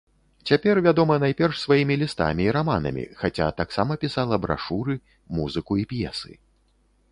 Цяпер вядома найперш сваімі лістамі і раманамі, хаця таксама пісала брашуры, музыку і п'есы.